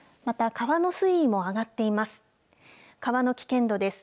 川の危険度です。